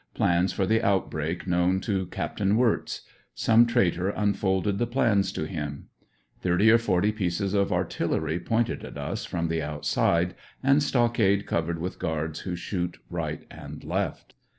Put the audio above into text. Plans for the outbreak known to Capt. Wirtz. Some traitor unfolded the plans to him Thirty or forty pieces of artillery pointed at us from the outside, and stockade covered with guards who shoot right and left.